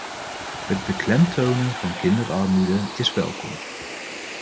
Het beklemtonen van kinderarmoede is welkom.